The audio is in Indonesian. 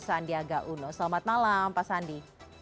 sandiaga uno selamat malam pak sandi